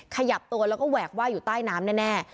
ขยับตัวแล้วก็แหวกว่าอยู่ใต้น้ำแน่